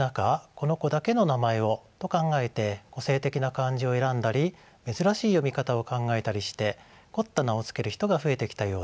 この子だけの名前をと考えて個性的な漢字を選んだり珍しい読み方を考えたりして凝った名を付ける人が増えてきたようです。